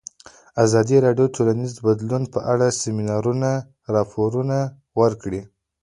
ازادي راډیو د ټولنیز بدلون په اړه د سیمینارونو راپورونه ورکړي.